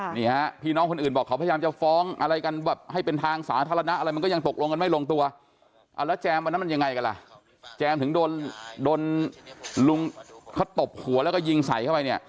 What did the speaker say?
ค่ะนี่ฮะพี่น้องคนอื่นบอกเขาพยายามจะฟ้องอะไรกันแบบให้เป็นทางสาธารณะอะไร